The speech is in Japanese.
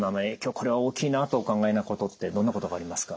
これは大きいなとお考えなことってどんなことがありますか？